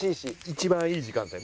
一番いい時間帯。